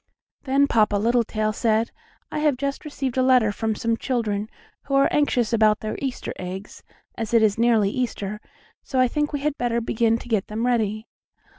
Then Papa Littletail said: "I have just received a letter from some children, who are anxious about their Easter eggs, as it is nearly Easter, so I think we had better begin to get them ready."